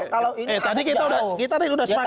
tadi kita sudah semangat